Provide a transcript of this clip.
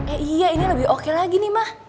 eh iya ini lebih oke lagi nih mah